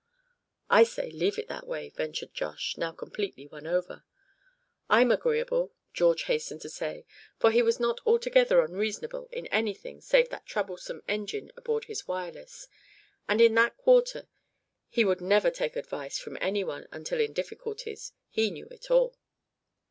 "I say leave it that way," ventured Josh, now completely won over. "I'm agreeable," George hastened to say, for he was not altogether unreasonable in anything save that troublesome engine aboard his Wireless; and in that quarter he would never take advice from any one until in difficulties; he knew it all.